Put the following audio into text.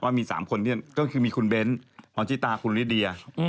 ว่ามี๓คนเนี่ยก็คือมีคุณเบนท์คุณจิตาคุณลิดเดีย